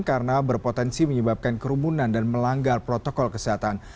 karena berpotensi menyebabkan kerumunan dan melanggar protokol kesehatan